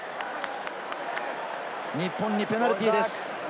日本にペナルティーです。